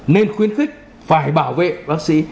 nên khuyến khích phải bảo vệ bác sĩ